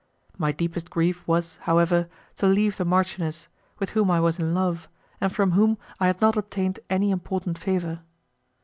My deepest grief was, however, to leave the marchioness, with whom I was in love, and from whom I had not obtained any important favour.